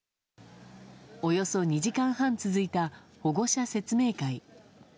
およそ２時間半続いた保護者説明会。